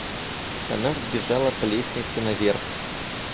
Она взбежала по лестнице наверх.